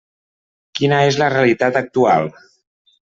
Quina és la realitat actual?